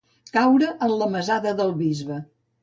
Caure en la mesada del bisbe.